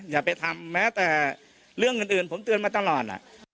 อย่าไปทำแม้แต่เรื่องอื่นผมเตือนมาตลอด